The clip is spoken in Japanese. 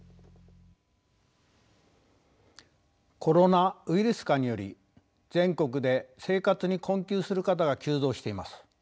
コロナウイルス禍により全国で生活に困窮する方が急増しています。